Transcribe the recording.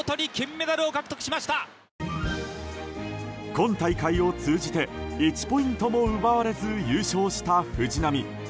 今大会を通じて１ポイントも奪われず優勝した藤波。